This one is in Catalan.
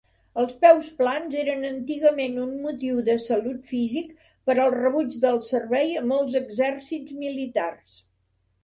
Els peus plans eren antigament un motiu de salut físic per al rebuig del servei a molts exèrcits militars.